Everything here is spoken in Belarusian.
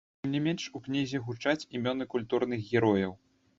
Тым не менш, у кнізе гучаць імёны культурных герояў.